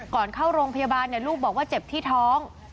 ก่อนเข้าโรงพยาบาลเนี่ยลูกบอกว่าเจ็บที่ท้อง